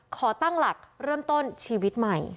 ขอตั้งหลักเริ่มต้นชีวิตใหม่